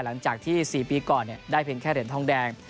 หลังจากที่๔ปีก่อนได้เพียงแค่เหรียญทองแดง